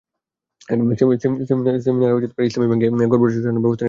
সেমিনারে ইসলামি ব্যাংকিংয়ে করপোরেট সুশাসনের অবস্থা নিয়ে একটি গবেষণাপত্র তুলে ধরা হয়।